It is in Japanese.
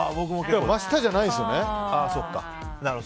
だから真下じゃないんですよね。